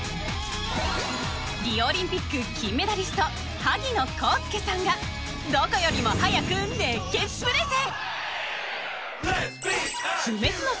リオオリンピック金メダリスト萩野公介さんがどこよりも早く熱血プレゼン！